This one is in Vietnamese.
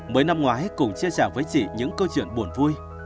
mới năm ngoái chia sẻ với chị những cơ chuyện buồn vui